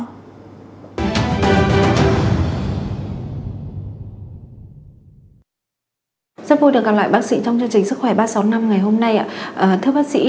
rất vui được gặp lại bác sĩ trong chương trình sức khỏe ba trăm sáu mươi năm ngày hôm nay ạ